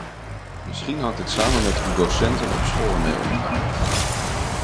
Misschien hangt het samen met hoe docenten op school er mee omgaan.